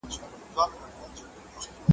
احمد شاه ابدالي څنګه د سولې لپاره لارې لټولې؟